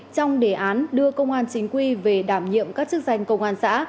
trong đề án đưa công an chính quy về đảm nhiệm các chức danh công an xã